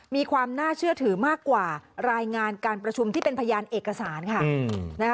มีความน่าเชื่อถือมากกว่ารายงานการประชุมที่เป็นพยานเอกสารค่ะ